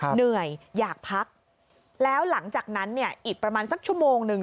เหนื่อยอยากพักแล้วหลังจากนั้นเนี่ยอีกประมาณสักชั่วโมงหนึ่ง